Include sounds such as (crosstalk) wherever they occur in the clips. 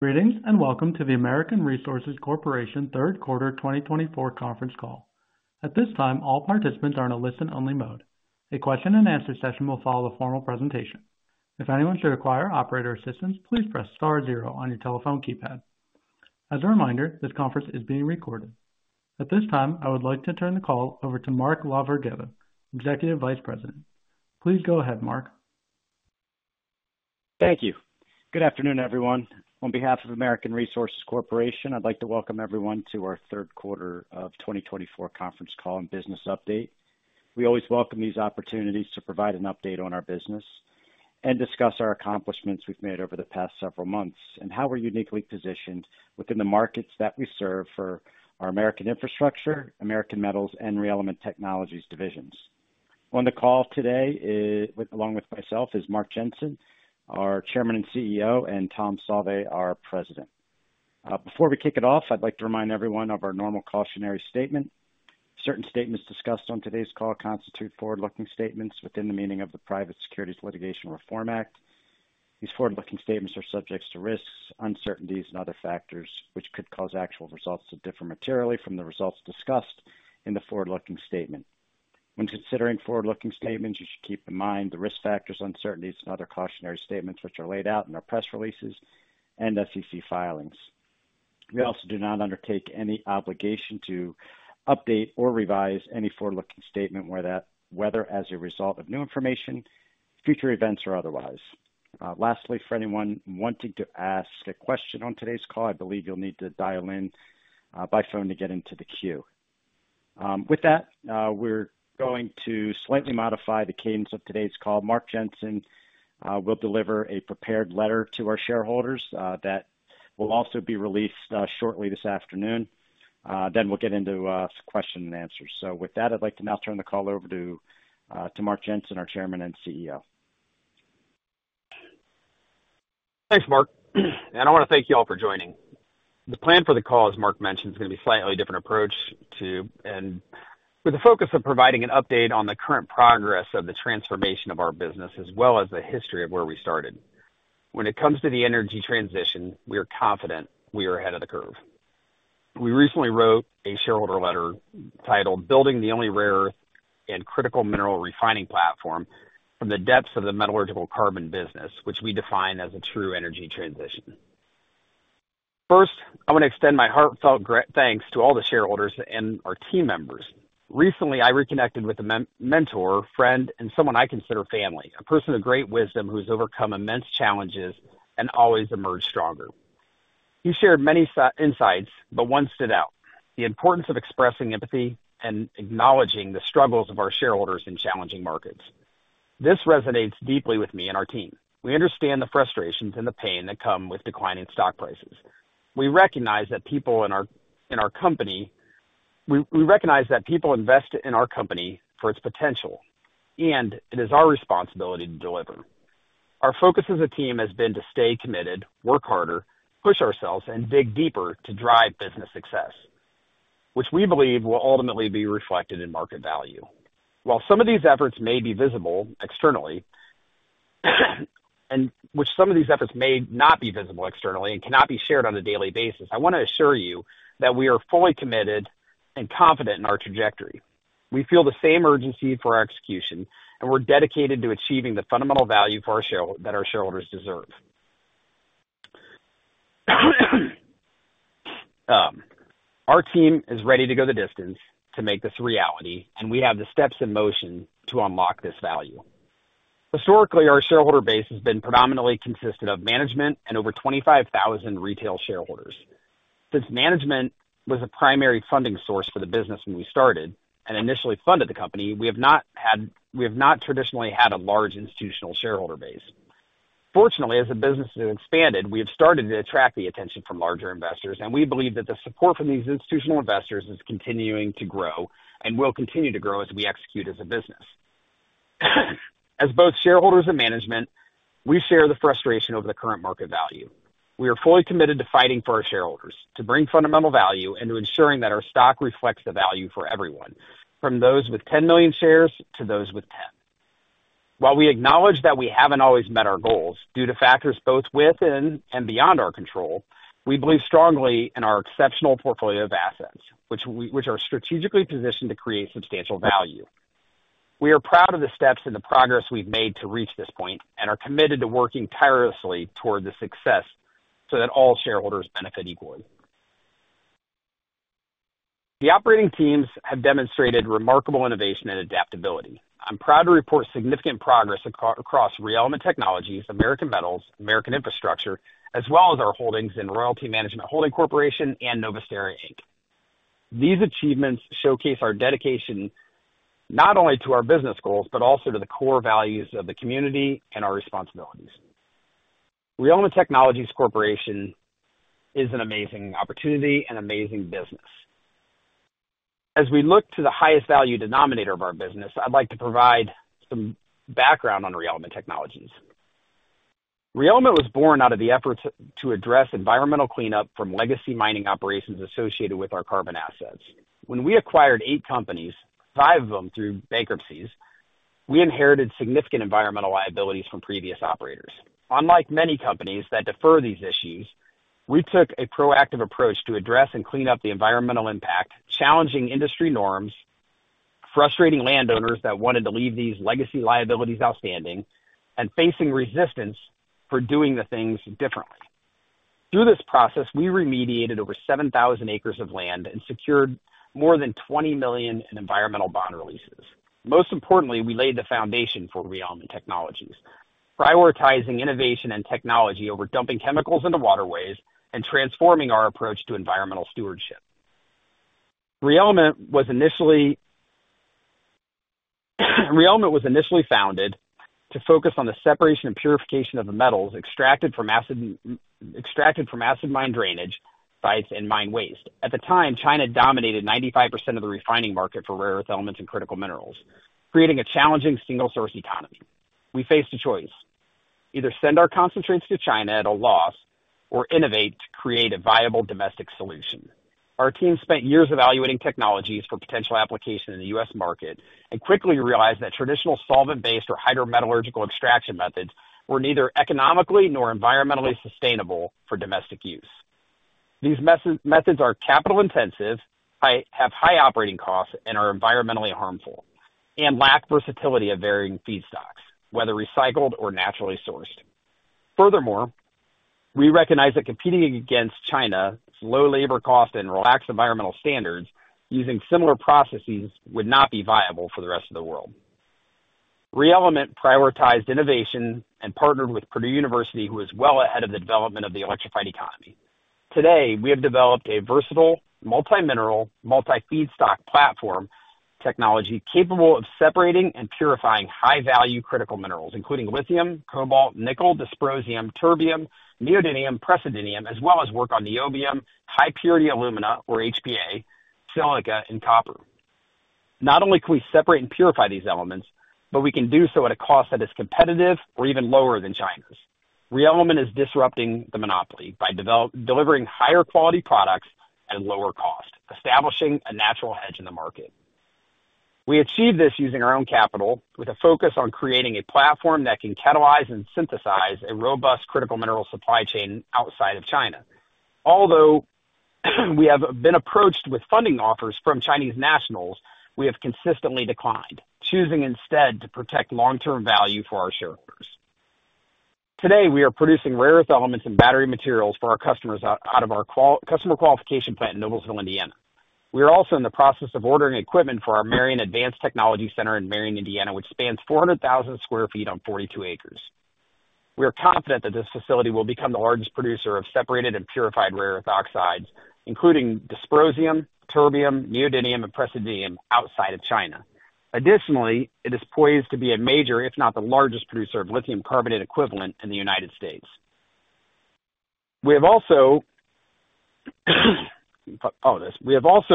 Greetings and welcome to the American Resources Corporation Third Quarter 2024 conference call. At this time, all participants are in a listen-only mode. A question-and-answer session will follow the formal presentation. If anyone should require operator assistance, please press star zero on your telephone keypad. As a reminder, this conference is being recorded. At this time, I would like to turn the call over to Mark LaVerghetta, Executive Vice President. Please go ahead, Mark. Thank you. Good afternoon, everyone. On behalf of American Resources Corporation, I'd like to welcome everyone to our Third Quarter of 2024 conference call and business update. We always welcome these opportunities to provide an update on our business and discuss our accomplishments we've made over the past several months and how we're uniquely positioned within the markets that we serve for our American Infrastructure, American Metals, and ReElement Technologies divisions. On the call today, along with myself, is Mark Jensen, our Chairman and CEO, and Tom Sauve, our President. Before we kick it off, I'd like to remind everyone of our normal cautionary statement. Certain statements discussed on today's call constitute forward-looking statements within the meaning of the Private Securities Litigation Reform Act. These forward-looking statements are subject to risks, uncertainties, and other factors which could cause actual results to differ materially from the results discussed in the forward-looking statement. When considering forward-looking statements, you should keep in mind the risk factors, uncertainties, and other cautionary statements which are laid out in our press releases and SEC filings. We also do not undertake any obligation to update or revise any forward-looking statement whether as a result of new information, future events, or otherwise. Lastly, for anyone wanting to ask a question on today's call, I believe you'll need to dial in by phone to get into the queue. With that, we're going to slightly modify the cadence of today's call. Mark Jensen will deliver a prepared letter to our shareholders that will also be released shortly this afternoon. Then we'll get into questions and answers. So with that, I'd like to now turn the call over to Mark Jensen, our Chairman and CEO. Thanks, Mark, and I want to thank you all for joining. The plan for the call, as Mark mentioned, is going to be a slightly different approach to, and with the focus of providing an update on the current progress of the transformation of our business as well as the history of where we started. When it comes to the energy transition, we are confident we are ahead of the curve. We recently wrote a shareholder letter titled, "Building the Only Rare Earth and Critical Mineral Refining Platform from the Depths of the Metallurgical Carbon Business," which we define as a true energy transition. First, I want to extend my heartfelt thanks to all the shareholders and our team members. Recently, I reconnected with a mentor, friend, and someone I consider family, a person of great wisdom who has overcome immense challenges and always emerged stronger. He shared many insights, but one stood out: the importance of expressing empathy and acknowledging the struggles of our shareholders in challenging markets. This resonates deeply with me and our team. We understand the frustrations and the pain that come with declining stock prices. We recognize that people invest in our company for its potential, and it is our responsibility to deliver. Our focus as a team has been to stay committed, work harder, push ourselves, and dig deeper to drive business success, which we believe will ultimately be reflected in market value. While some of these efforts may be visible externally, some of these efforts may not be visible externally and cannot be shared on a daily basis. I want to assure you that we are fully committed and confident in our trajectory. We feel the same urgency for our execution, and we're dedicated to achieving the fundamental value that our shareholders deserve. Our team is ready to go the distance to make this reality, and we have the steps in motion to unlock this value. Historically, our shareholder base has been predominantly consistent of management and over 25,000 retail shareholders. Since management was a primary funding source for the business when we started and initially funded the company, we have not traditionally had a large institutional shareholder base. Fortunately, as the business has expanded, we have started to attract the attention from larger investors, and we believe that the support from these institutional investors is continuing to grow and will continue to grow as we execute as a business. As both shareholders and management, we share the frustration over the current market value. We are fully committed to fighting for our shareholders, to bring fundamental value, and to ensuring that our stock reflects the value for everyone, from those with 10 million shares to those with 10. While we acknowledge that we haven't always met our goals due to factors both within and beyond our control, we believe strongly in our exceptional portfolio of assets, which are strategically positioned to create substantial value. We are proud of the steps and the progress we've made to reach this point and are committed to working tirelessly toward the success so that all shareholders benefit equally. The operating teams have demonstrated remarkable innovation and adaptability. I'm proud to report significant progress across ReElement Technologies, American Metals, American Infrastructure, as well as our holdings in Royalty Management Holding Corporation and Novusterra Inc. These achievements showcase our dedication not only to our business goals but also to the core values of the community and our responsibilities. ReElement Technologies Corporation is an amazing opportunity and amazing business. As we look to the highest value denominator of our business, I'd like to provide some background on ReElement Technologies. Re-Element was born out of the efforts to address environmental cleanup from legacy mining operations associated with our carbon assets. When we acquired eight companies, five of them through bankruptcies, we inherited significant environmental liabilities from previous operators. Unlike many companies that defer these issues, we took a proactive approach to address and clean up the environmental impact, challenging industry norms, frustrating landowners that wanted to leave these legacy liabilities outstanding, and facing resistance for doing the things differently. Through this process, we remediated over 7,000 acres of land and secured more than $20 million in environmental bond releases. Most importantly, we laid the foundation for ReElement Technologies, prioritizing innovation and technology over dumping chemicals into waterways and transforming our approach to environmental stewardship. Re-Element was initially founded to focus on the separation and purification of the metals extracted from acid mine drainage sites and mine waste. At the time, China dominated 95% of the refining market for rare earth elements and critical minerals, creating a challenging single-source economy. We faced a choice: either send our concentrates to China at a loss or innovate to create a viable domestic solution. Our team spent years evaluating technologies for potential application in the U.S. market and quickly realized that traditional solvent-based or hydrometallurgical extraction methods were neither economically nor environmentally sustainable for domestic use. These methods are capital-intensive, have high operating costs, and are environmentally harmful, and lack versatility of varying feedstocks, whether recycled or naturally sourced. Furthermore, we recognize that competing against China's low labor cost and relaxed environmental standards using similar processes would not be viable for the rest of the world. Re-Element prioritized innovation and partnered with Purdue University, who is well ahead of the development of the electrified economy. Today, we have developed a versatile multi-mineral, multi-feedstock platform technology capable of separating and purifying high-value critical minerals, including lithium, cobalt, nickel, dysprosium, terbium, neodymium, praseodymium, as well as work on niobium, high-purity alumina, or HPA, silica, and copper. Not only can we separate and purify these elements, but we can do so at a cost that is competitive or even lower than China's. Re-Element is disrupting the monopoly by delivering higher-quality products at a lower cost, establishing a natural hedge in the market. We achieve this using our own capital with a focus on creating a platform that can catalyze and synthesize a robust critical mineral supply chain outside of China. Although, we have been approached with funding offers from Chinese nationals, we have consistently declined, choosing instead to protect long-term value for our shareholders. Today, we are producing rare earth elements and battery materials for our customers out of our customer qualification plant in Noblesville, Indiana. We are also in the process of ordering equipment for our Marion Advanced Technology Center in Marion, Indiana, which spans 400,000 sq ft on 42 acres. We are confident that this facility will become the largest producer of separated and purified rare earth oxides, including dysprosium, terbium, neodymium, and praseodymium, outside of China. Additionally, it is poised to be a major, if not the largest producer of lithium carbonate equivalent in the United States. We have also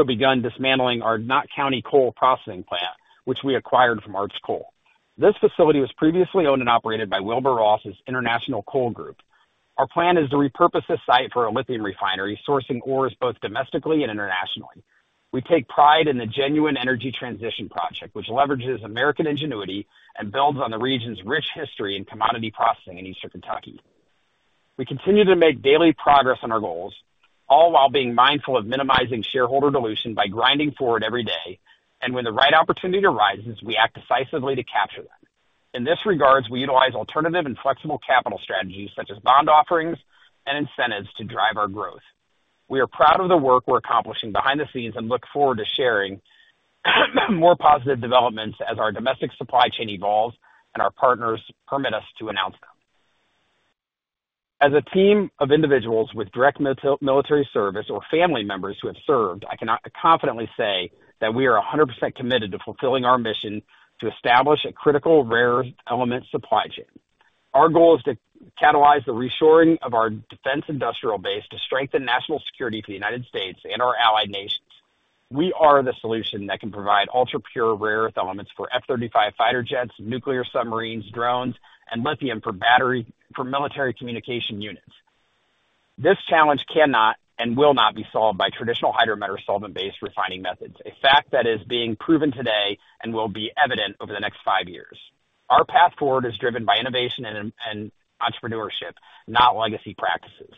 begun dismantling our Knott County Coal Processing Plant, which we acquired from Art's Coal. This facility was previously owned and operated by Wilbur Ross's International Coal Group. Our plan is to repurpose this site for a lithium refinery, sourcing ores both domestically and internationally. We take pride in the genuine energy transition project, which leverages American ingenuity and builds on the region's rich history in commodity processing in Eastern Kentucky. We continue to make daily progress on our goals, all while being mindful of minimizing shareholder dilution by grinding forward every day, and when the right opportunity arises, we act decisively to capture them. In this regard, we utilize alternative and flexible capital strategies such as bond offerings and incentives to drive our growth. We are proud of the work we're accomplishing behind the scenes and look forward to sharing more positive developments as our domestic supply chain evolves and our partners permit us to announce them. As a team of individuals with direct military service or family members who have served, I can confidently say that we are 100% committed to fulfilling our mission to establish a critical rare earth element supply chain. Our goal is to catalyze the reshoring of our defense industrial base to strengthen national security for the United States and our allied nations. We are the solution that can provide ultra-pure rare earth elements for F-35 Fighter Jets, Nuclear Submarines, Drones, and lithium for military communication units. This challenge cannot and will not be solved by traditional hydrometallurgical solvent-based refining methods, a fact that is being proven today and will be evident over the next five years. Our path forward is driven by innovation and entrepreneurship, not legacy practices.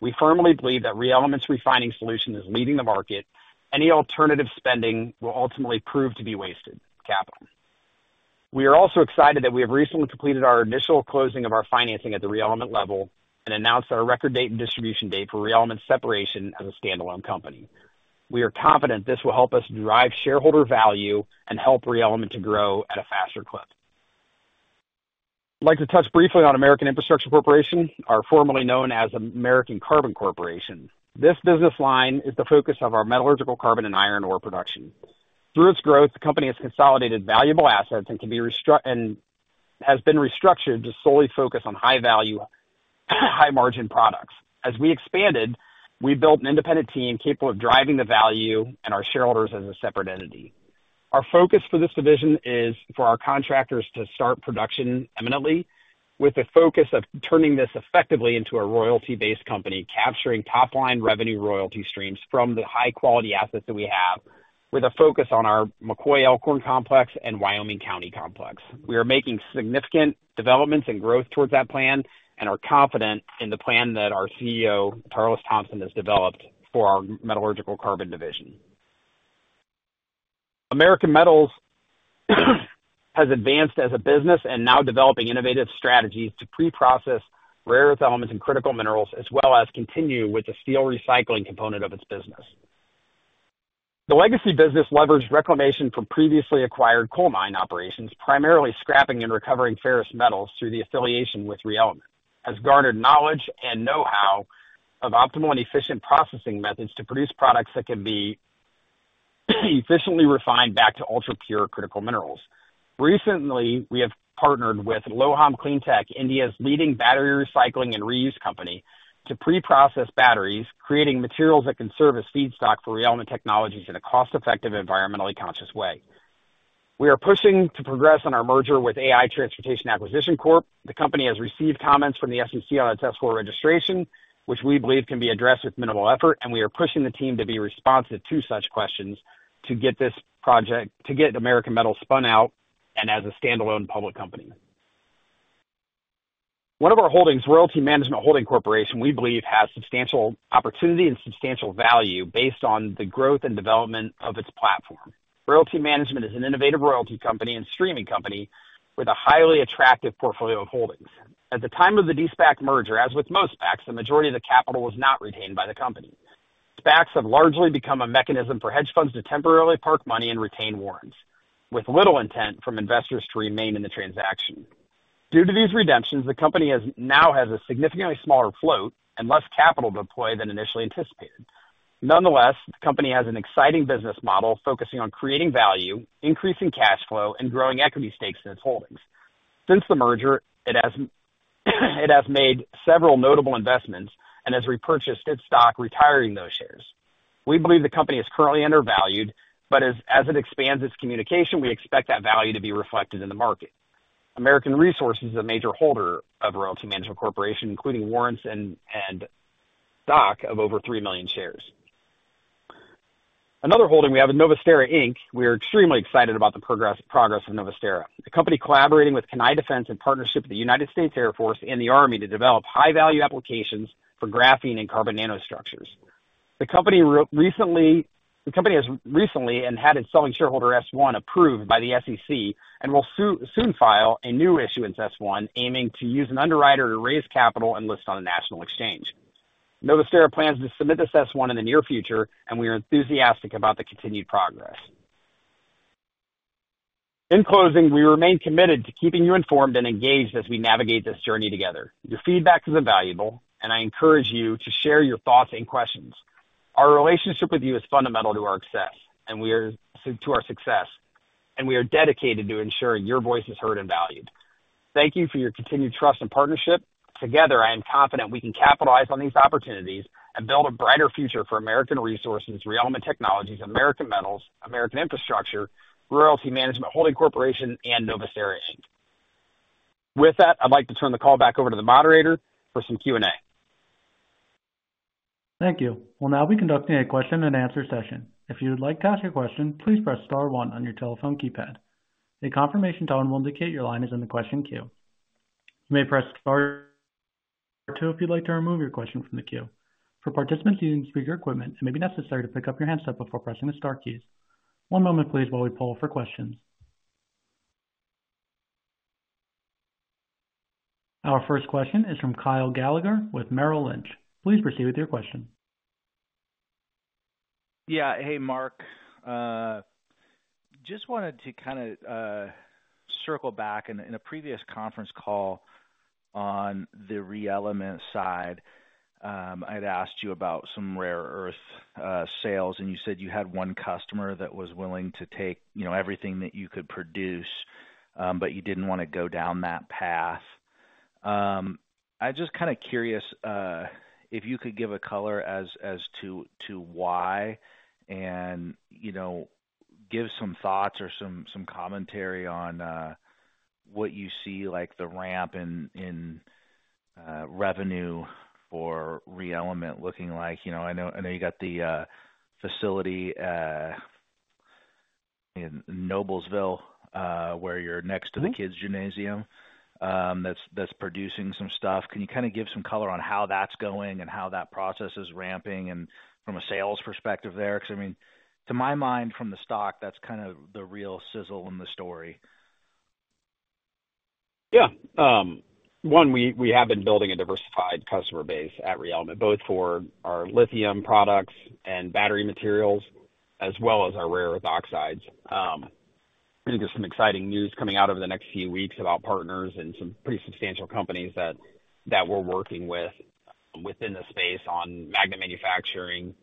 We firmly believe that Re-Element's refining solution is leading the market. Any alternative spending will ultimately prove to be wasted capital. We are also excited that we have recently completed our initial closing of our financing at the Re-Element level and announced our record date and distribution date for Re-Element's separation as a standalone company. We are confident this will help us drive shareholder value and help Re-Element to grow at a faster clip. I'd like to touch briefly on American Infrastructure Corporation, formerly known as American Carbon Corporation. This business line is the focus of our metallurgical carbon and iron ore production. Through its growth, the company has consolidated valuable assets and has been restructured to solely focus on high-value, high-margin products. As we expanded, we built an independent team capable of driving the value and our shareholders as a separate entity. Our focus for this division is for our contractors to start production imminently, with the focus of turning this effectively into a royalty-based company, capturing top-line revenue royalty streams from the high-quality assets that we have, with a focus on our McCoy Elkhorn Complex and Wyoming County Complex. We are making significant developments and growth towards that plan and are confident in the plan that our CEO, Charles Thompson, has developed for our metallurgical carbon division. American Metals has advanced as a business and now developing innovative strategies to pre-process rare earth elements and critical minerals, as well as continue with the steel recycling component of its business. The legacy business leveraged reclamation from previously acquired coal mine operations, primarily scrapping and recovering ferrous metals through the affiliation with Re-Element, has garnered knowledge and know-how of optimal and efficient processing methods to produce products that can be efficiently refined back to ultra-pure critical minerals. Recently, we have partnered with LOHUM Cleantech, India's leading battery recycling and reuse company, to pre-process batteries, creating materials that can serve as feedstock for Re-Element Technologies in a cost-effective, environmentally conscious way. We are pushing to progress on our merger with AI Transportation Acquisition Corp. The company has received comments from the SEC on its S-4 registration, which we believe can be addressed with minimal effort, and we are pushing the team to be responsive to such questions to get this project American Metals spun out and as a standalone public company. One of our holdings, Royalty Management Holding Corporation, we believe has substantial opportunity and substantial value based on the growth and development of its platform. Royalty Management is an innovative royalty company and streaming company with a highly attractive portfolio of holdings. At the time of the SPAC merger, as with most SPACs, the majority of the capital was not retained by the company. SPACs have largely become a mechanism for hedge funds to temporarily park money and retain warrants, with little intent from investors to remain in the transaction. Due to these redemptions, the company now has a significantly smaller float and less capital to deploy than initially anticipated. Nonetheless, the company has an exciting business model focusing on creating value, increasing cash flow, and growing equity stakes in its holdings. Since the merger, it has made several notable investments and has repurchased its stock, retiring those shares. We believe the company is currently undervalued, but as it expands its communication, we expect that value to be reflected in the market. American Resources is a major holder of Royalty Management Corporation, including warrants and stock of over three million shares. Another holding we have is Novusterra Inc. We are extremely excited about the progress of Novusterra, a company collaborating with Kenai Defense in partnership with the United States Air Force and the Army to develop high-value applications for graphene and carbon nanostructures. The company has recently and had its selling shareholder S-1 approved by the SEC and will soon file a new issue in S-1, aiming to use an underwriter to raise capital and list on a national exchange. Novusterra plans to submit this S-1 in the near future, and we are enthusiastic about the continued progress. In closing, we remain committed to keeping you informed and engaged as we navigate this journey together. Your feedback has been valuable, and I encourage you to share your thoughts and questions. Our relationship with you is fundamental to our success, and we are dedicated to ensuring your voice is heard and valued. Thank you for your continued trust and partnership. Together, I am confident we can capitalize on these opportunities and build a brighter future for American Resources, Re-Element Technologies, American Metals, American Infrastructure, Royalty Management Holding Corporation, and Novusterra Inc. With that, I'd like to turn the call back over to the moderator for some Q&A. Thank you. We'll now be conducting a question-and-answer session. If you'd like to ask your question, please press star one on your telephone keypad. A confirmation tone will indicate your line is in the question queue. You may press star two if you'd like to remove your question from the queue. For participants using speaker equipment, it may be necessary to pick up your handset before pressing the star keys. One moment, please, while we pull for questions. Our first question is from Kyle Gallagher with Merrill Lynch. Please proceed with your question. Yeah. Hey, Mark. Just wanted to kind of circle back. In a previous conference call on the Re-Element side, I'd asked you about some rare earth sales, and you said you had one customer that was willing to take everything that you could produce, but you didn't want to go down that path. I'm just kind of curious if you could give a color as to why and give some thoughts or some commentary on what you see like the ramp in revenue for Re-Element looking like. I know you got the facility in Noblesville where you're next to the kids' gymnasium that's producing some stuff. Can you kind of give some color on how that's going and how that process is ramping from a sales perspective there? Because, I mean, to my mind, from the stock, that's kind of the real sizzle in the story. Yeah. One, we have been building a diversified customer base at Re-Element, both for our lithium products and battery materials, as well as our rare earth oxides. I think there's some exciting news coming out over the next few weeks about partners and some pretty substantial companies that we're working with within the space on magnet manufacturing,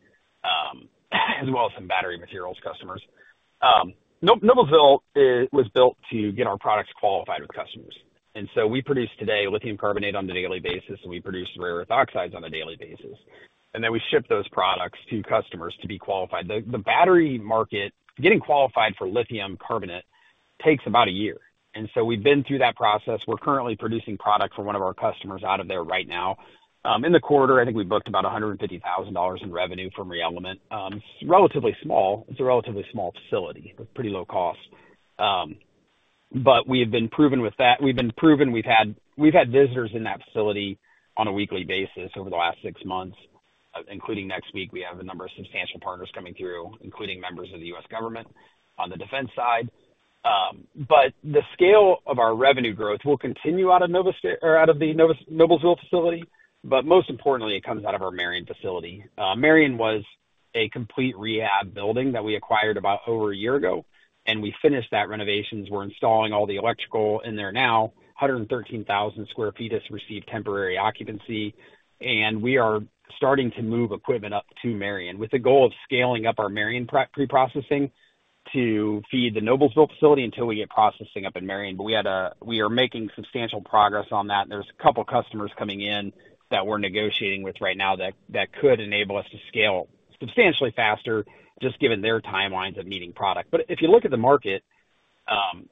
as well as some battery materials customers. Noblesville was built to get our products qualified with customers. And so we produce today lithium carbonate on a daily basis, and we produce rare earth oxides on a daily basis. And then we ship those products to customers to be qualified. The battery market, getting qualified for lithium carbonate, takes about a year. And so we've been through that process. We're currently producing product for one of our customers out of there right now. In the quarter, I think we booked about $150,000 in revenue from Re-Element. It's relatively small. It's a relatively small facility with pretty low cost. But we have been proven with that. We've been proven we've had visitors in that facility on a weekly basis over the last six months. Including next week, we have a number of substantial partners coming through, including members of the U.S. government on the defense side. But the scale of our revenue growth will continue out of the Noblesville facility. But most importantly, it comes out of our Marion facility. Marion was a complete rehab building that we acquired about over a year ago, and we finished that renovations. We're installing all the electrical in there now. 113,000 sq ft has received temporary occupancy, and we are starting to move equipment up to Marion with the goal of scaling up our Marion pre-processing to feed the Noblesville facility until we get processing up in Marion. But we are making substantial progress on that. There's a couple of customers coming in that we're negotiating with right now that could enable us to scale substantially faster just given their timelines of needing product. But if you look at the market,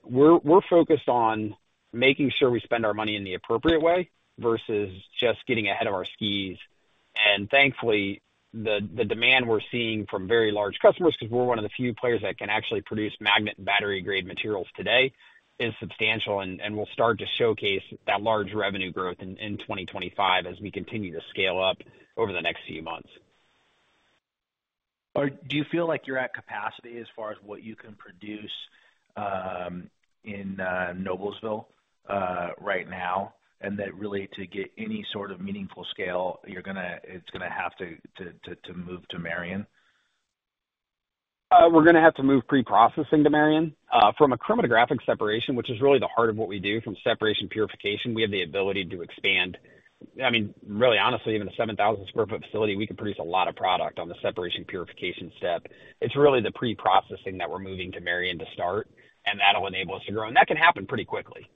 we're focused on making sure we spend our money in the appropriate way versus just getting ahead of our skis. And thankfully, the demand we're seeing from very large customers, because we're one of the few players that can actually produce magnet and battery-grade materials today, is substantial, and we'll start to showcase that large revenue growth in 2025 as we continue to scale up over the next few months. Do you feel like you're at capacity as far as what you can produce in Noblesville right now and that really to get any sort of meaningful scale, it's going to have to move to Marion? We're going to have to move pre-processing to Marion. From a chromatographic separation, which is really the heart of what we do, from separation purification, we have the ability to expand. I mean, really honestly, even a 7,000 sq ft facility, we can produce a lot of product on the separation purification step. It's really the pre-processing that we're moving to Marion to start, and that'll enable us to grow, and that can happen pretty quickly.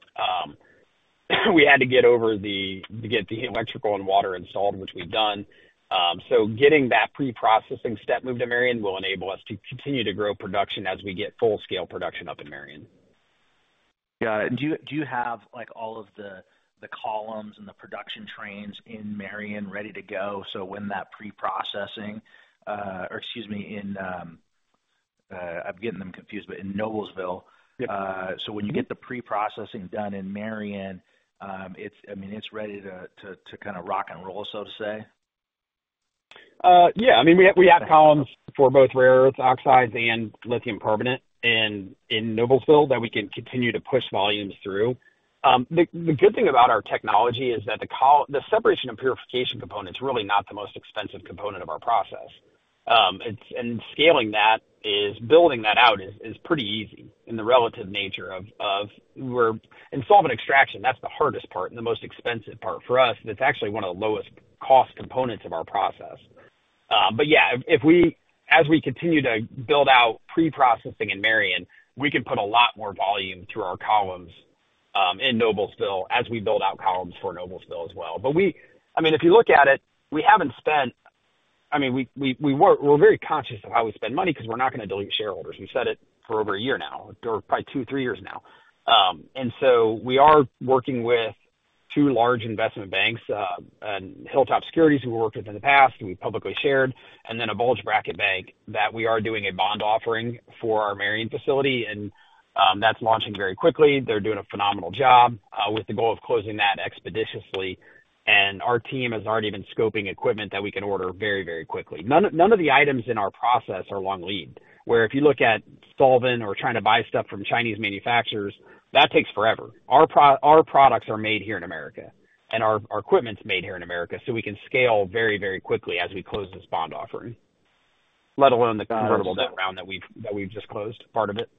We had to get the electrical and water installed, which we've done, so getting that pre-processing step moved to Marion will enable us to continue to grow production as we get full-scale production up in Marion. Got it. Do you have all of the columns and the production trains in Marion ready to go so when that pre-processing, excuse me, I'm getting them confused, but in Noblesville, so when you get the pre-processing done in Marion, I mean, it's ready to kind of rock and roll, so to say? Yeah. I mean, we have columns for both rare earth oxides and lithium carbonate in Noblesville that we can continue to push volumes through. The good thing about our technology is that the separation and purification component is really not the most expensive component of our process. And scaling that, building that out is pretty easy in the relative nature of installment extraction. That's the hardest part and the most expensive part for us. It's actually one of the lowest-cost components of our process. But yeah, as we continue to build out pre-processing in Marion, we can put a lot more volume through our columns in Noblesville as we build out columns for Noblesville as well. But I mean, if you look at it, we haven't spent, I mean, we're very conscious of how we spend money because we're not going to dilute shareholders. We've said it for over a year now, or probably two, three years now. And so we are working with two large investment banks, Hilltop Securities, who we've worked with in the past, who we've publicly shared, and then a Bulge Bracket Bank that we are doing a bond offering for our Marion facility, and that's launching very quickly. They're doing a phenomenal job with the goal of closing that expeditiously. And our team has already been scoping equipment that we can order very, very quickly. None of the items in our process are long-lead where if you look at solvent or trying to buy stuff from Chinese manufacturers, that takes forever. Our products are made here in America, and our equipment's made here in America, so we can scale very, very quickly as we close this bond offering, let alone the convertible debt round that we've just closed, part of it.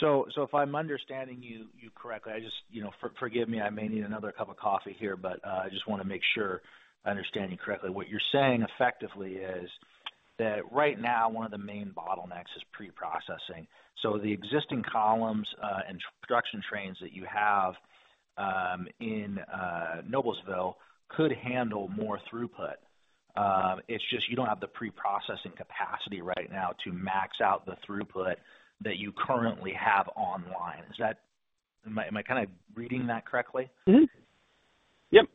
So if I'm understanding you correctly, just forgive me. I may need another cup of coffee here, but I just want to make sure I understand you correctly. What you're saying effectively is that right now, one of the main bottlenecks is pre-processing. So the existing columns and production trains that you have in Noblesville could handle more throughput. It's just you don't have the pre-processing capacity right now to max out the throughput that you currently have online? Am I kind of reading that correctly? Yep.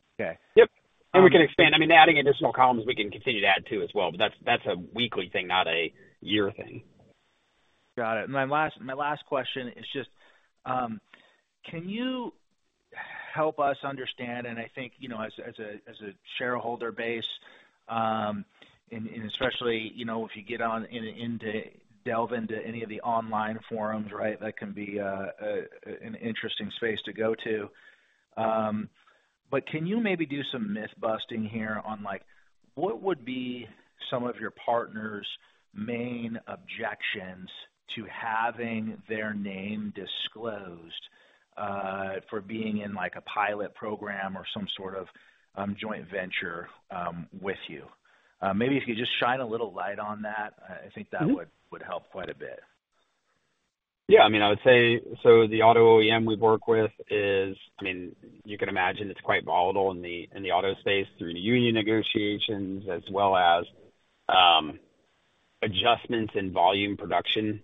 Yep. And we can expand. I mean, adding additional columns, we can continue to add to as well, but that's a weekly thing, not a year thing. Got it. My last question is just, can you help us understand, and I think as a shareholder base, and especially if you get into, delve into any of the online forums, right, that can be an interesting space to go to. But can you maybe do some myth-busting here on what would be some of your partners' main objections to having their name disclosed for being in a pilot program or some sort of joint venture with you? Maybe if you could just shine a little light on that, I think that would help quite a bit. Yeah. I mean, I would say so the auto OEM we work with is. I mean, you can imagine it's quite volatile in the auto space through union negotiations, as well as adjustments in volume production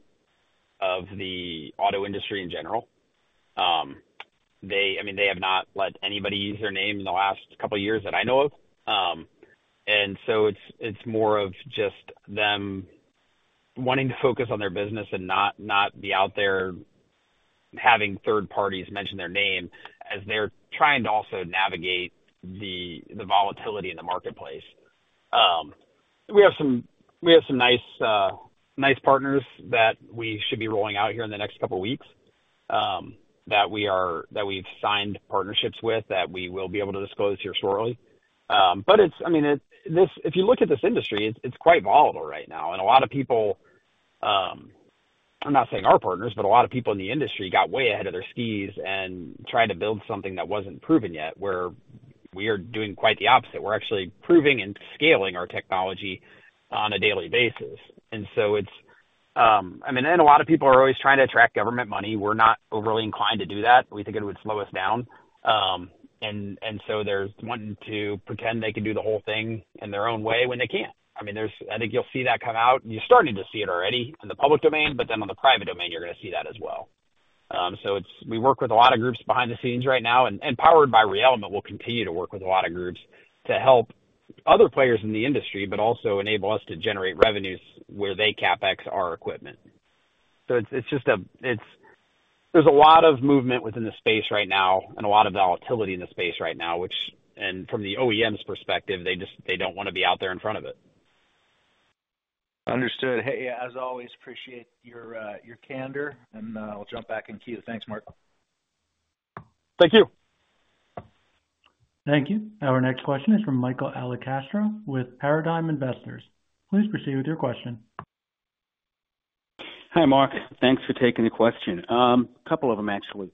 of the auto industry in general. I mean, they have not let anybody use their name in the last couple of years that I know of. And so it's more of just them wanting to focus on their business and not be out there having third parties mention their name as they're trying to also navigate the volatility in the marketplace. We have some nice partners that we should be rolling out here in the next couple of weeks that we've signed partnerships with that we will be able to disclose here shortly. But I mean, if you look at this industry, it's quite volatile right now. And a lot of people, I'm not saying our partners, but a lot of people in the industry got way ahead of their skis and tried to build something that wasn't proven yet where we are doing quite the opposite. We're actually proving and scaling our technology on a daily basis. And so it's, I mean, and a lot of people are always trying to attract government money. We're not overly inclined to do that. We think it would slow us down. And so they're wanting to pretend they can do the whole thing in their own way when they can't. I mean, I think you'll see that come out. You're starting to see it already in the public domain, but then on the private domain, you're going to see that as well. So we work with a lot of groups behind the scenes right now, and powered by Re-Element, we'll continue to work with a lot of groups to help other players in the industry, but also enable us to generate revenues where they CapEx our equipment. So it's just a, there's a lot of movement within the space right now and a lot of volatility in the space right now, which, from the OEM's perspective, they don't want to be out there in front of it. Understood. Hey, as always, appreciate your candor, and I'll jump back in queue. Thanks, Mark. Thank you. Thank you. Our next question is from Michael Alicastro with Paradigm Investors. Please proceed with your question. Hi, Mark. Thanks for taking the question. A couple of them, actually.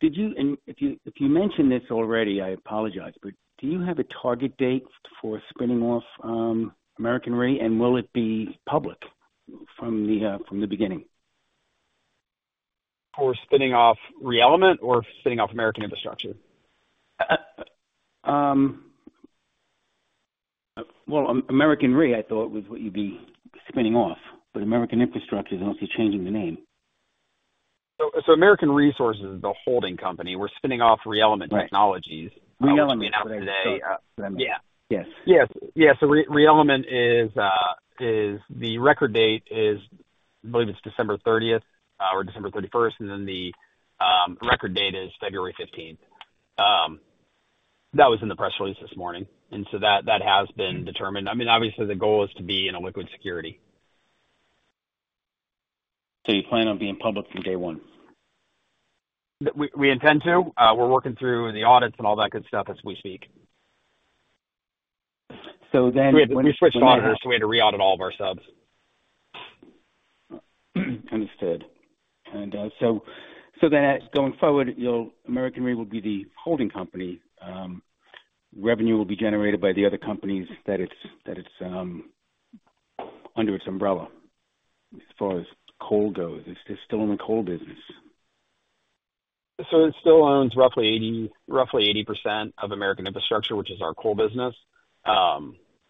If you mentioned this already, I apologize, but do you have a target date for spinning off Re-Element, and will it be public from the beginning? For spinning off Re-Element or spinning off American Infrastructure? Well, Re-Element, I thought, was what you'd be spinning off, but American Infrastructure is obviously changing the name. So American Resources is the holding company. We're spinning off Re-Element Technologies. Re-Element, right? (crosstalk) Yeah. Yes. Yeah. So Re-Element, the record date is, I believe it's December 30th or December 31st, and then the record date is February 15th. That was in the press release this morning. And so that has been determined. I mean, obviously, the goal is to be in a liquid security. So you plan on being public from day one? We intend to. We're working through the audits and all that good stuff as we speak. We switched auditors, so we had to re-audit all of our subs. Understood. Going forward, American Resources will be the holding company. Revenue will be generated by the other companies that it's under its umbrella as far as coal goes. It's still in the coal business. It still owns roughly 80% of American Infrastructure, which is our coal business.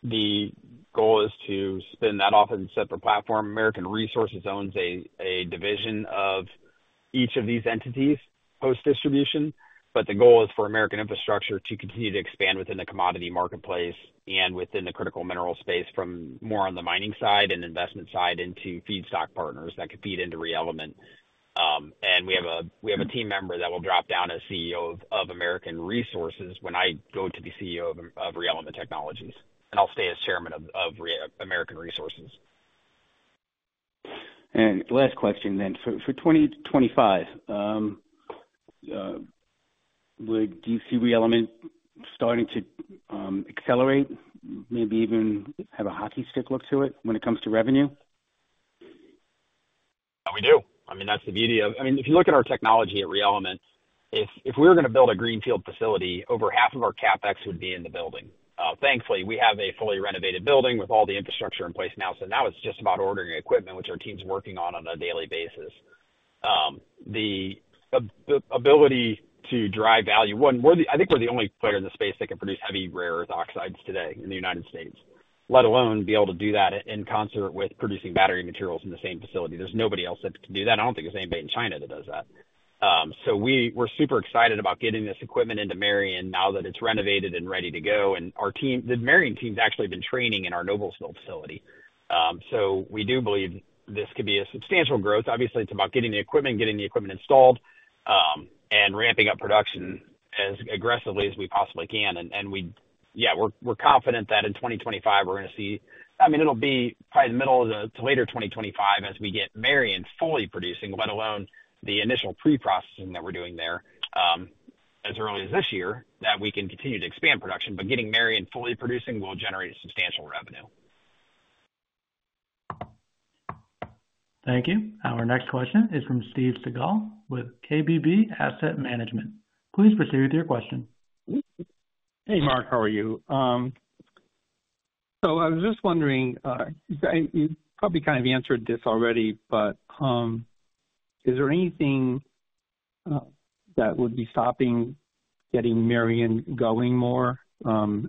The goal is to spin that off as a separate platform. American Resources owns a division of each of these entities post-distribution, but the goal is for American Infrastructure to continue to expand within the commodity marketplace and within the critical mineral space from more on the mining side and investment side into feedstock partners that could feed into Re-Element. We have a team member that will drop down as CEO of American Resources when I go to be CEO of Re-Element Technologies, and I'll stay as chairman of American Resources. Last question then. For 2025, do you see Re-Element starting to accelerate, maybe even have a hockey stick look to it when it comes to revenue? We do. I mean, that's the beauty of. I mean, if you look at our technology at Re-Element, if we were going to build a greenfield facility, over half of our CapEx would be in the building. Thankfully, we have a fully renovated building with all the infrastructure in place now. So now it's just about ordering equipment, which our team's working on a daily basis. The ability to drive value, I think we're the only player in the space that can produce heavy rare earth oxides today in the United States, let alone be able to do that in concert with producing battery materials in the same facility. There's nobody else that can do that. I don't think there's anybody in China that does that. So we're super excited about getting this equipment into Marion now that it's renovated and ready to go. And the Marion team's actually been training in our Noblesville facility. So we do believe this could be a substantial growth. Obviously, it's about getting the equipment, getting the equipment installed, and ramping up production as aggressively as we possibly can. And, yeah we're confident that in 2025, we're going to see. I mean, it'll be probably the middle to later 2025 as we get Marion fully producing, let alone the initial pre-processing that we're doing there as early as this year that we can continue to expand production. But getting Marion fully producing will generate substantial revenue. Thank you. Our next question is from Steve Segal with KBB Asset Management. Please proceed with your question. Hey, Mark. How are you? So I was just wondering. You probably kind of answered this already, but is there anything that would be stopping getting Marion going more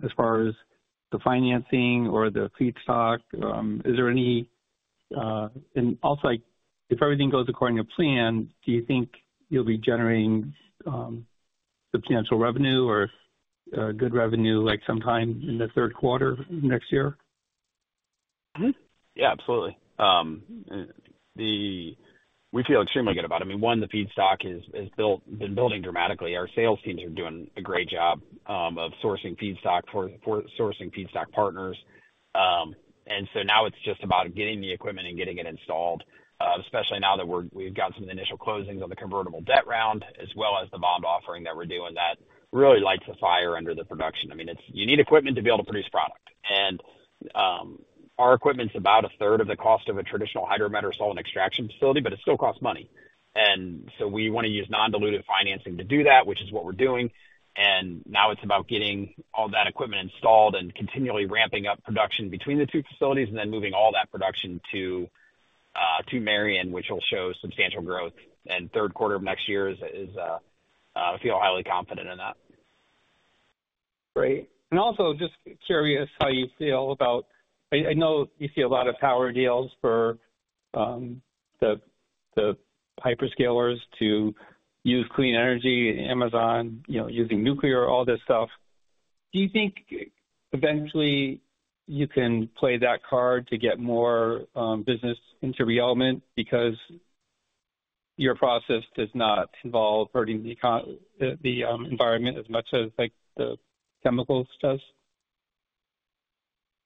as far as the financing or the feedstock? Is there any. And also, if everything goes according to plan, do you think you'll be generating substantial revenue or good revenue sometime in the third quarter next year? Yeah, absolutely. We feel extremely good about it. I mean, one, the feedstock has been building dramatically. Our sales teams are doing a great job of sourcing feedstock for sourcing feedstock partners, and so now it's just about getting the equipment and getting it installed, especially now that we've got some initial closings on the convertible debt round as well as the bond offering that we're doing that really lights the fire under the production. I mean, you need equipment to be able to produce product, and our equipment's about a third of the cost of a traditional hydrometallurgical solvent extraction facility, but it still costs money, and so we want to use non-dilutive financing to do that, which is what we're doing. And now it's about getting all that equipment installed and continually ramping up production between the two facilities and then moving all that production to Marion, which will show substantial growth in the third quarter of next year. I feel highly confident in that. Great. And also, just curious how you feel about, I know you see a lot of power deals for the hyperscalers to use clean energy, Amazon, using nuclear, all this stuff. Do you think eventually you can play that card to get more business into Re-Element because your process does not involve hurting the environment as much as the chemicals does?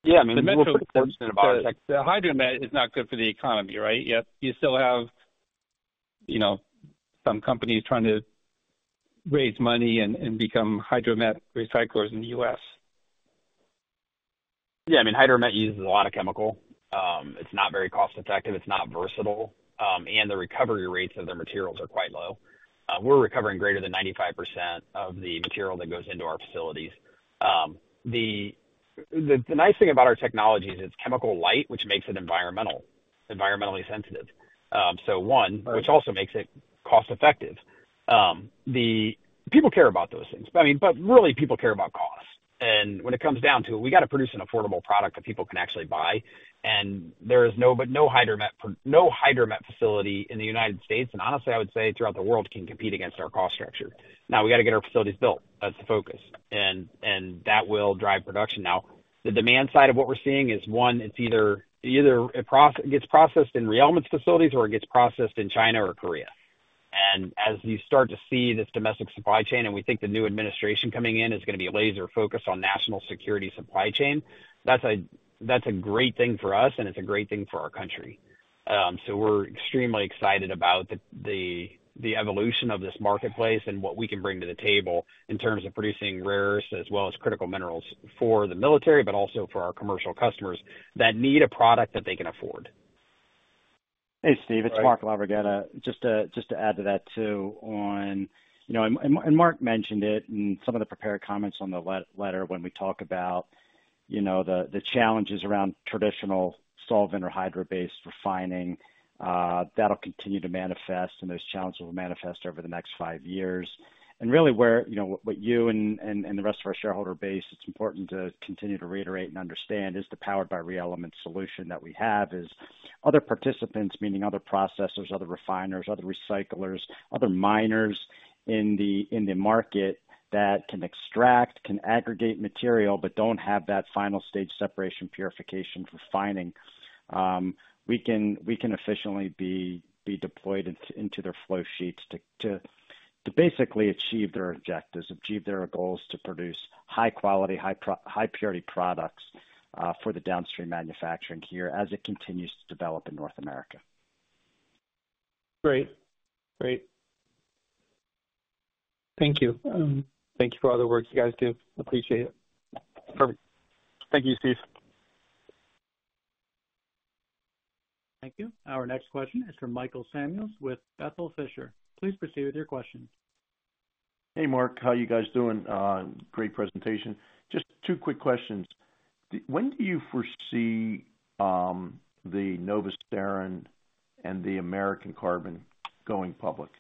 Yeah. I mean, the metals are the portion of the bottleneck. The hydromet is not good for the economy, right? Yet you still have some companies trying to raise money and become hydromet recyclers in the U.S. Yeah. I mean, hydromet uses a lot of chemical. It's not very cost-effective. It's not versatile. And the recovery rates of the materials are quite low. We're recovering greater than 95% of the material that goes into our facilities. The nice thing about our technology is it's chemical-light, which makes it environmentally sensitive. So one, which also makes it cost-effective. People care about those things. I mean, but really, people care about cost. And when it comes down to it, we got to produce an affordable product that people can actually buy. And there is no hydromet facility in the United States, and honestly, I would say throughout the world, can compete against our cost structure. Now, we got to get our facilities built. That's the focus. And that will drive production. Now, the demand side of what we're seeing is, one, it either gets processed in Re-Element facilities or it gets processed in China or Korea. And as you start to see this domestic supply chain, and we think the new administration coming in is going to be laser-focused on national security supply chain, that's a great thing for us, and it's a great thing for our country. So we're extremely excited about the evolution of this marketplace and what we can bring to the table in terms of producing rare earths as well as critical minerals for the military, but also for our commercial customers that need a product that they can afford. Hey, Steve. It's Mark LaVerghetta. Just to add to that too on, and Mark mentioned it in some of the prepared comments on the letter when we talk about the challenges around traditional solvent or hydro-based refining. That'll continue to manifest, and those challenges will manifest over the next five years. Really, what you and the rest of our shareholder base, it's important to continue to reiterate and understand, is the powered-by-Re-Element solution that we have is other participants, meaning other processors, other refiners, other recyclers, other miners in the market that can extract, can aggregate material, but don't have that final-stage separation, purification, refining. We can efficiently be deployed into their flow sheets to basically achieve their objectives, achieve their goals to produce high-quality, high-purity products for the downstream manufacturing here as it continues to develop in North America. Great. Great. Thank you. Thank you for all the work you guys do. Appreciate it. Perfect. Thank you, Steve. Thank you. Our next question is from Michael Samuels with Berthel Fisher. Please proceed with your question. Hey, Mark. How are you guys doing? Great presentation. Just two quick questions. When do you foresee the Novusterra and the American Carbon going public?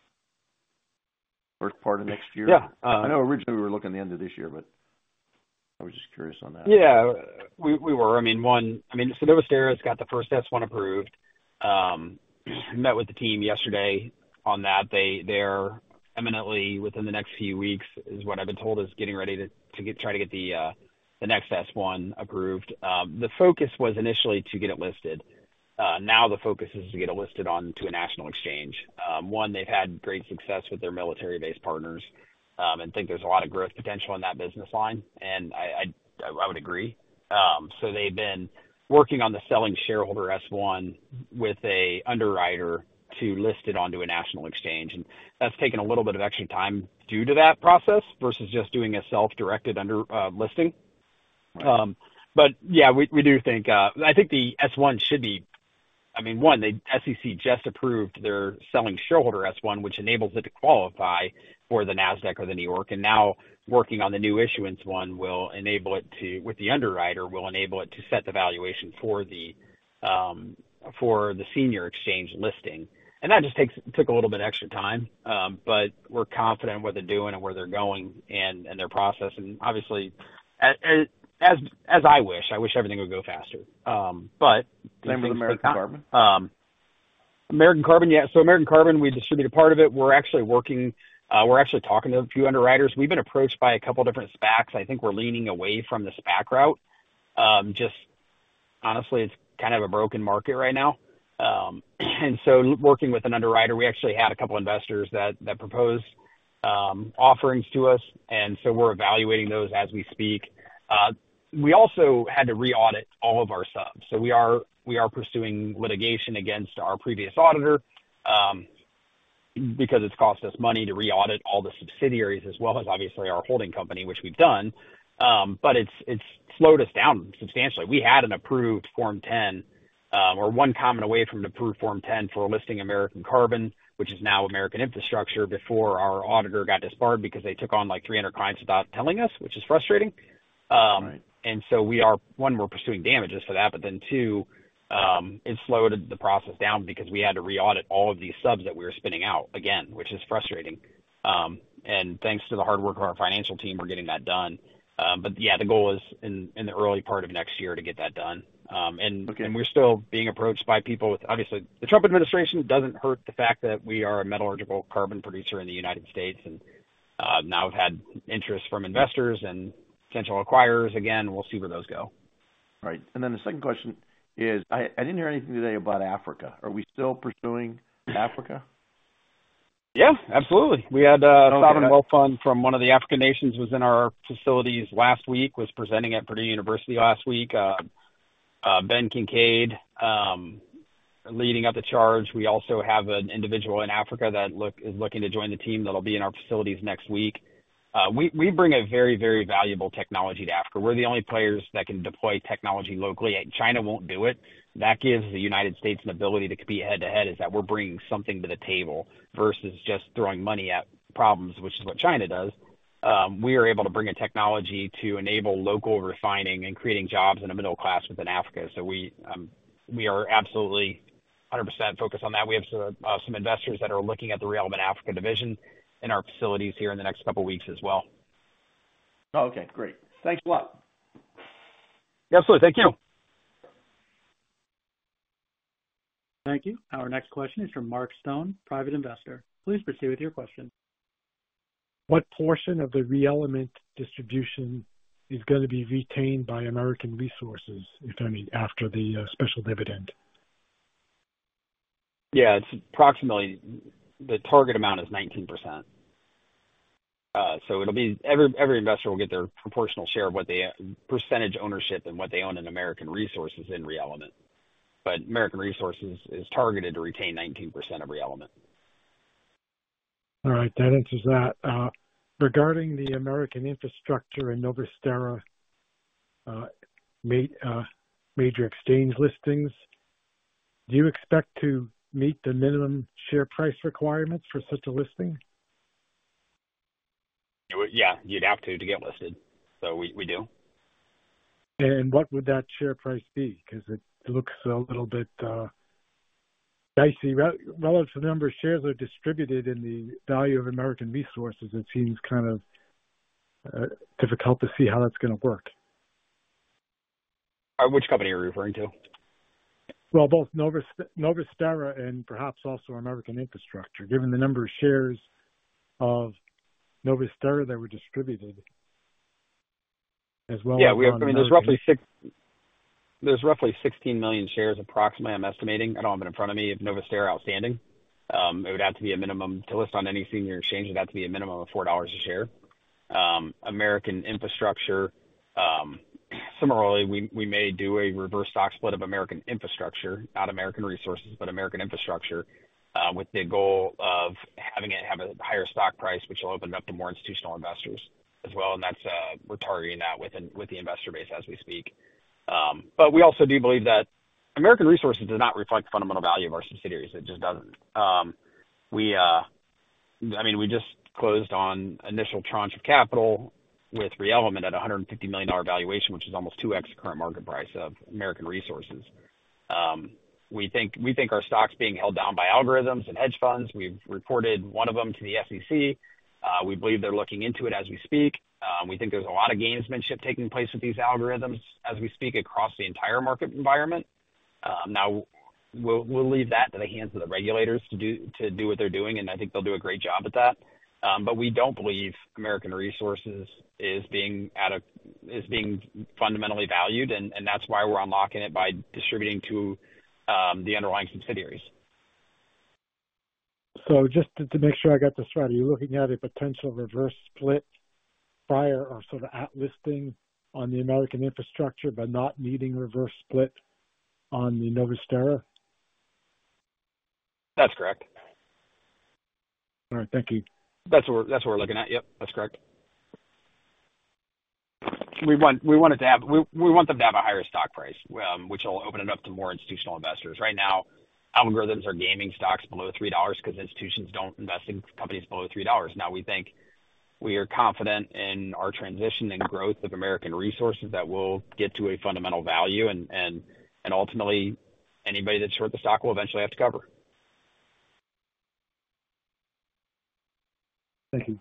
First part of next year? Yeah. I know originally we were looking at the end of this year, but I was just curious on that. Yeah. We were. I mean, so Novusterra has got the first S-1 approved. Met with the team yesterday on that. They're imminently within the next few weeks, is what I've been told, is getting ready to try to get the next S-1 approved. The focus was initially to get it listed. Now the focus is to get it listed onto a national exchange. One, they've had great success with their military-based partners and think there's a lot of growth potential in that business line. And I would agree. So they've been working on the selling shareholder S-1 with an underwriter to list it onto a national exchange. That's taken a little bit of extra time due to that process versus just doing a self-directed listing. Yeah, we do think I think the S-1 should be. I mean, one, the SEC just approved their selling shareholder S-1, which enables it to qualify for the NASDAQ or the New York. Now working on the new issuance one will enable it to, with the underwriter, will enable it to set the valuation for the senior exchange listing. That just took a little bit of extra time. We're confident in what they're doing and where they're going and their process. Obviously, as I wish, I wish everything would go faster. The thing, American Carbon? American Carbon, yeah. So American Carbon, we distributed part of it. We're actually working. We're actually talking to a few underwriters. We've been approached by a couple of different SPACs. I think we're leaning away from the SPAC route. Just honestly, it's kind of a broken market right now. And so working with an underwriter, we actually had a couple of investors that proposed offerings to us. And so we're evaluating those as we speak. We also had to re-audit all of our subs. So we are pursuing litigation against our previous auditor because it's cost us money to re-audit all the subsidiaries as well as, obviously, our holding company, which we've done. But it's slowed us down substantially. We had an approved Form 10 or one common way from an approved Form 10 for listing American Carbon, which is now American Infrastructure, before our auditor got disbarred because they took on like 300 clients without telling us, which is frustrating. And so one, we're pursuing damages for that. But then two, it slowed the process down because we had to re-audit all of these subs that we were spinning out again, which is frustrating. And thanks to the hard work of our financial team, we're getting that done. But yeah, the goal is in the early part of next year to get that done. And we're still being approached by people with, obviously, the Trump administration doesn't hurt the fact that we are a metallurgical carbon producer in the United States. And now we've had interest from investors and potential acquirers. Again, we'll see where those go. Right. And then the second question is, I didn't hear anything today about Africa. Are we still pursuing Africa? Yeah. Absolutely. We had a sovereign wealth fund from one of the African nations who was in our facilities last week, was presenting at Purdue University last week. Ben Kincaid leading up the charge. We also have an individual in Africa that is looking to join the team that will be in our facilities next week. We bring a very, very valuable technology to Africa. We're the only players that can deploy technology locally. China won't do it. That gives the United States an ability to compete head-to-head, is that we're bringing something to the table versus just throwing money at problems, which is what China does. We are able to bring a technology to enable local refining and creating jobs in a middle class within Africa. So we are absolutely 100% focused on that. We have some investors that are looking at the Re-Element Africa division in our facilities here in the next couple of weeks as well. Oh, okay. Great. Thanks a lot. Absolutely. Thank you. Thank you. Our next question is from Mark Stone, private investor. Please proceed with your question. What portion of the Re-Element distribution is going to be retained by American Resources, if any, after the special dividend? Yeah. It's approximately the target amount is 19%. So every investor will get their proportional share of what they percentage ownership and what they own in American Resources in Re-Element. But American Resources is targeted to retain 19% of Re-Element. All right. That answers that. Regarding the American Infrastructure and Novusterra major exchange listings, do you expect to meet the minimum share price requirements for such a listing? Yeah. You'd have to to get listed. So we do. And what would that share price be? Because it looks a little bit dicey relative to the number of shares that are distributed in the value of American Resources. It seems kind of difficult to see how that's going to work. Which company are you referring to? Well, both Novusterra and perhaps also American Infrastructure, given the number of shares of Novusterra that were distributed as well as American. Yeah. I mean, there's roughly 16 million shares approximately, I'm estimating. I don't have it in front of me. If Novusterra outstanding, it would have to be a minimum to list on any senior exchange, it would have to be a minimum of $4 a share. American Infrastructure, similarly, we may do a reverse stock split of American Infrastructure, not American Resources, but American Infrastructure, with the goal of having it have a higher stock price, which will open it up to more institutional investors as well. And we're targeting that with the investor base as we speak. But we also do believe that American Resources does not reflect the fundamental value of our subsidiaries. It just doesn't. I mean, we just closed on initial tranche of capital with Re-Element at a $150 million valuation, which is almost 2x the current market price of American Resources. We think our stock's being held down by algorithms and hedge funds. We've reported one of them to the SEC. We believe they're looking into it as we speak. We think there's a lot of gamesmanship taking place with these algorithms as we speak across the entire market environment. Now, we'll leave that to the hands of the regulators to do what they're doing. And I think they'll do a great job at that. But we don't believe American Resources is being fundamentally valued. And that's why we're unlocking it by distributing to the underlying subsidiaries. So just to make sure I got this right, are you looking at a potential reverse split prior or sort of at listing on the American Infrastructure but not needing reverse split on the Novusterra? That's correct. All right. Thank you. That's what we're looking at. Yep. That's correct. We want them to have a higher stock price, which will open it up to more institutional investors. Right now, algorithms are gaming stocks below $3 because institutions don't invest in companies below $3. Now, we think we are confident in our transition and growth of American Resources that will get to a fundamental value. And ultimately, anybody that's short the stock will eventually have to cover. Thank you.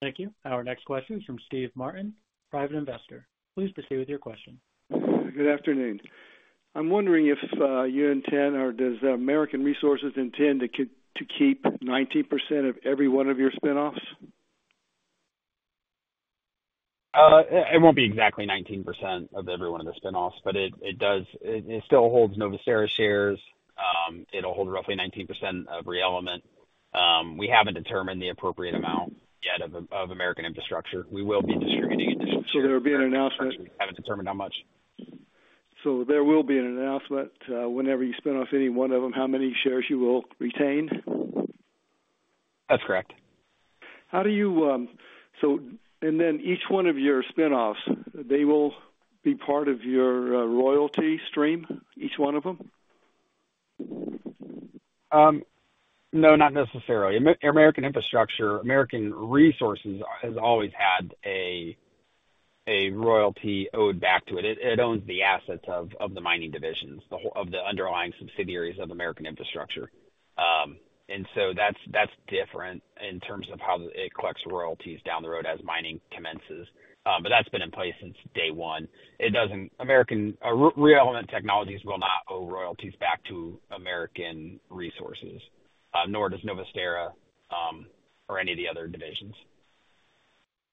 Thank you. Our next question is from Steve Martin, private investor. Please proceed with your question. Good afternoon. I'm wondering if you intend or does American Resources intend to keep 19% of every one of your spinoffs? It won't be exactly 19% of every one of the spinoffs, but it still holds Novusterra shares. It'll hold roughly 19% of Re-Element. We haven't determined the appropriate amount yet of American Infrastructure. We will be distributing additional shares. So there will be an announcement? We haven't determined how much. So there will be an announcement whenever you spin off any one of them, how many shares you will retain? That's correct. How do you so and then each one of your spinoffs, they will be part of your royalty stream, each one of them? No, not necessarily. American Infrastructure, American Resources has always had a royalty owed back to it. It owns the assets of the mining divisions, of the underlying subsidiaries of American Infrastructure. And so that's different in terms of how it collects royalties down the road as mining commences. But that's been in place since day one. Re-Element Technologies will not owe royalties back to American Resources, nor does Novusterra or any of the other divisions.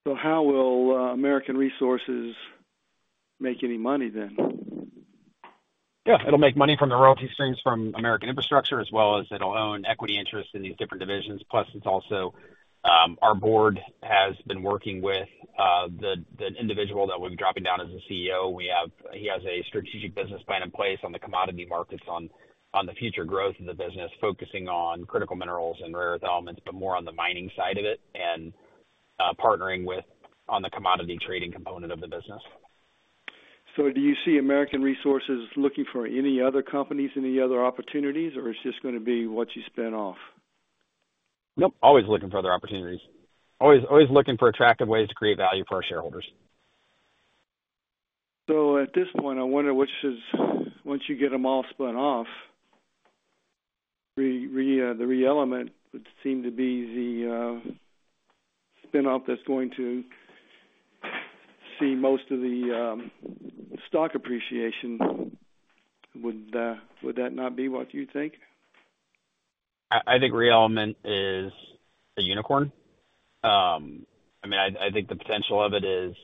So how will American Resources make any money then? Yeah. It'll make money from the royalty streams from American Infrastructure, as well as it'll own equity interests in these different divisions. Plus, it's also our board has been working with the individual that we've been dropping down as the CEO. He has a strategic business plan in place on the commodity markets, on the future growth of the business, focusing on critical minerals and rare earth elements, but more on the mining side of it and partnering with on the commodity trading component of the business. So, do you see American Resources looking for any other companies, any other opportunities, or is it just going to be what you spin off? Nope. Always looking for other opportunities. Always looking for attractive ways to create value for our shareholders. So at this point, I wonder which is, once you get them all spun off, the Re-Element would seem to be the spinoff that's going to see most of the stock appreciation. Would that not be what you think? I think Re-Element is a unicorn. I mean, I think the potential of it is.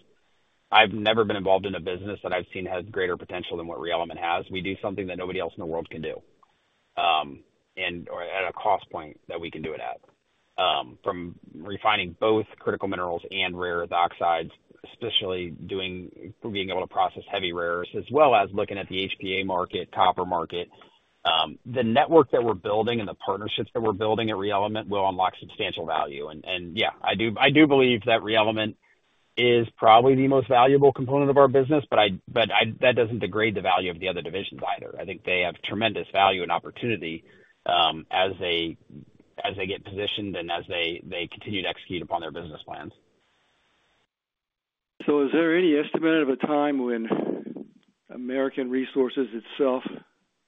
I've never been involved in a business that I've seen has greater potential than what Re-Element has. We do something that nobody else in the world can do and at a cost point that we can do it at. From refining both critical minerals and rare earth oxides, especially being able to process heavy rares, as well as looking at the HPA market, copper market, the network that we're building and the partnerships that we're building at Re-Element will unlock substantial value. And yeah, I do believe that Re-Element is probably the most valuable component of our business, but that doesn't degrade the value of the other divisions either. I think they have tremendous value and opportunity as they get positioned and as they continue to execute upon their business plans. So is there any estimate of a time when American Resources itself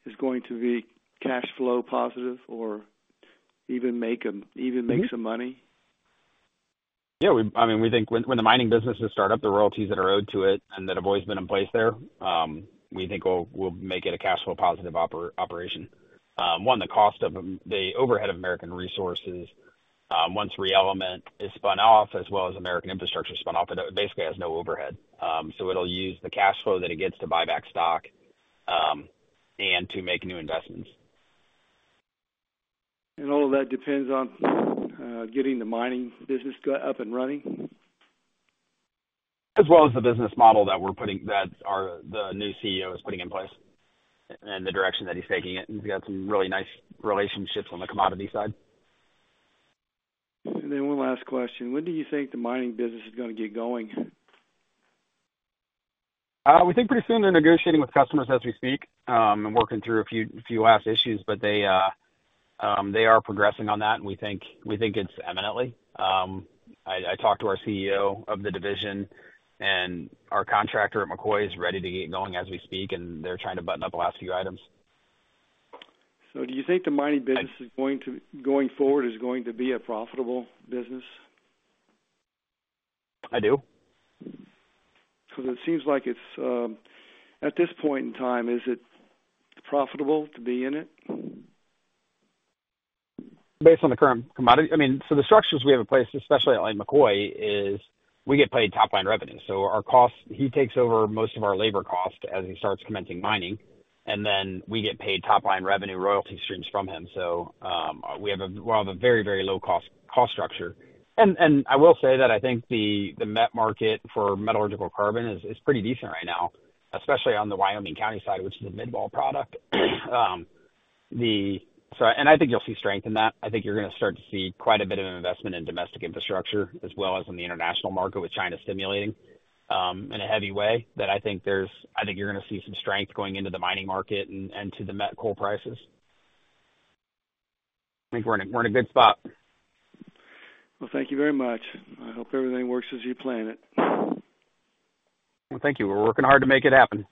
is going to be cash flow positive or even make some money? Yeah. I mean, we think when the mining businesses start up, the royalties that are owed to it and that have always been in place there, we think we'll make it a cash flow positive operation. One, the cost of the overhead of American Resources once Re-Element is spun off, as well as American Infrastructure is spun off, it basically has no overhead. So it'll use the cash flow that it gets to buy back stock and to make new investments. And all of that depends on getting the mining business up and running. As well as the business model that the new CEO is putting in place and the direction that he's taking it. He's got some really nice relationships on the commodity side. And then one last question. When do you think the mining business is going to get going? We think pretty soon. They're negotiating with customers as we speak and working through a few last issues, but they are progressing on that, and we think it's imminently. I talked to our CEO of the division, and our contractor at McCoy is ready to get going as we speak, and they're trying to button up the last few items. So do you think the mining business going forward is going to be a profitable business? I do. Because it seems like it's at this point in time, is it profitable to be in it? Based on the current commodity? I mean, so the structures we have in place, especially at McCoy, is we get paid top-line revenue. So he takes over most of our labor cost as he starts commencing mining. And then we get paid top-line revenue royalty streams from him. So we have a very, very low-cost structure. I will say that I think the met market for metallurgical carbon is pretty decent right now, especially on the Wyoming County side, which is a mid-vol product. I think you'll see strength in that. I think you're going to start to see quite a bit of investment in domestic infrastructure, as well as in the international market with China stimulating in a heavy way. I think you're going to see some strength going into the mining market and to the met coal prices. I think we're in a good spot. Thank you very much. I hope everything works as you plan it. Thank you. We're working hard to make it happen.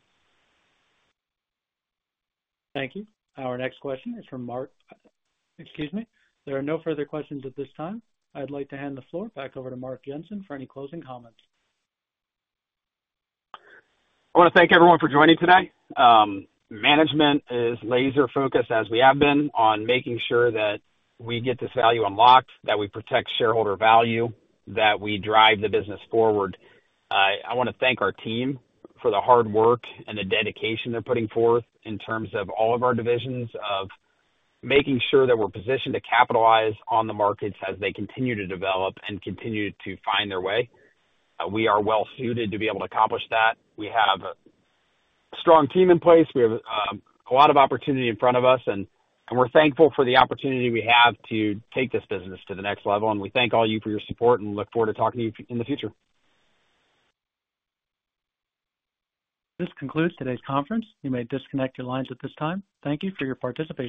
Thank you. Our next question is from Mark, excuse me. There are no further questions at this time. I'd like to hand the floor back over to Mark Jensen for any closing comments. I want to thank everyone for joining today. Management is laser-focused, as we have been, on making sure that we get this value unlocked, that we protect shareholder value, that we drive the business forward. I want to thank our team for the hard work and the dedication they're putting forth in terms of all of our divisions of making sure that we're positioned to capitalize on the markets as they continue to develop and continue to find their way. We are well-suited to be able to accomplish that. We have a strong team in place. We have a lot of opportunity in front of us, and we're thankful for the opportunity we have to take this business to the next level, and we thank all you for your support and look forward to talking to you in the future. This concludes today's conference. You may disconnect your lines at this time. Thank you for your participation.